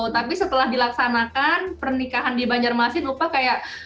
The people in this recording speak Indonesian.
tapi setelah dilaksanakan pernikahan di banjarmasin lupa kayak